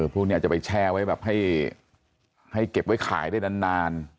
พวกนี้อาจจะไปแช่ไว้แบบให้เก็บไว้ขายได้นาน